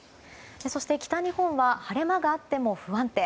そして北日本は晴れ間があっても不安定。